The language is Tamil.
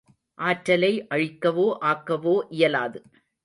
ஆற்றலை அழிக்கவோ ஆக்கவோ இயலாது.